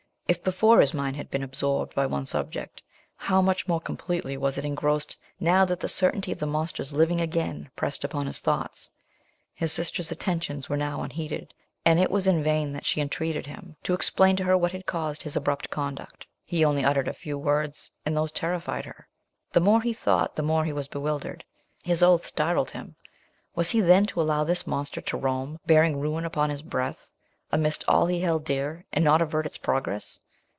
If before his mind had been absorbed by one subject, how much more completely was it engrossed, now that the certainty of the monster's living again pressed upon his thoughts. His sister's attentions were now unheeded, and it was in vain that she intreated him to explain to her what had caused his abrupt conduct. He only uttered a few words, and those terrified her. The more he thought, the more he was bewildered. His oath startled him; was he then to allow this monster to roam, bearing ruin upon his breath, amidst all he held dear, and not avert its progress?